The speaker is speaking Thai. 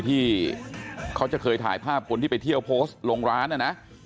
ที่เขาจะเคยถ่ายภาพคนที่ไปเที่ยวโพสต์ลงร้านนะนะ